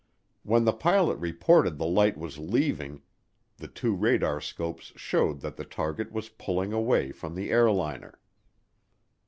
When the pilot reported the light was leaving, the two radarscopes showed that the target was pulling away from the airliner.